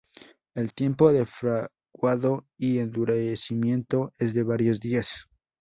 El tiempo de fraguado y endurecimiento es de varios días.